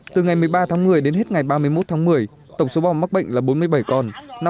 từ ngày một mươi ba tháng một mươi đến hết ngày ba mươi một tháng một mươi tổng số bò mắc bệnh là bốn mươi bảy con